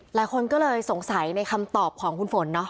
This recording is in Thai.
หลายคนก็เลยสงสัยในคำตอบของคุณฝนเนาะ